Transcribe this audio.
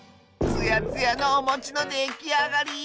つやつやのおもちのできあがり。